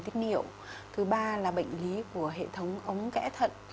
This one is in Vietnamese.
thứ ba là bệnh lý của hệ thống ống kẽ thận